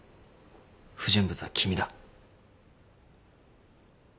不純物は君だ。